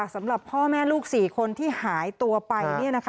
สำหรับพ่อแม่ลูก๔คนที่หายตัวไป